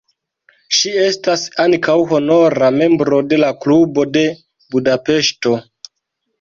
Ŝi estas ankaŭ honora membro de la Klubo de Budapeŝto.